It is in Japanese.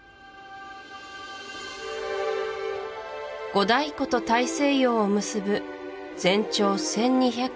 五大湖と大西洋を結ぶ全長１２００